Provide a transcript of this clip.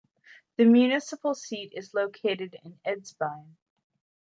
The municipal seat is located in Edsbyn.